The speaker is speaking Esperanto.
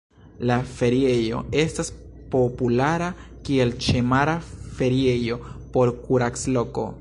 La feriejo estas populara kiel ĉemara feriejo por kuracloko.